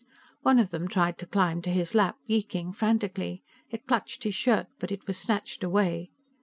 One of them tried to climb to his lap, yeeking frantically; it clutched his shirt, but it was snatched away.